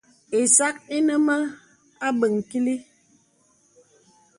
Ìsak ìnə mə abəŋ kìlì.